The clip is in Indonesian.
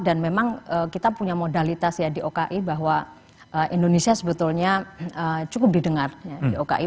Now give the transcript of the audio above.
dan memang kita punya modalitas ya di oki bahwa indonesia sebetulnya cukup didengar di oki